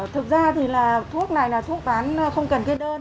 thực ra thì thuốc này là thuốc bán không cần kê đơn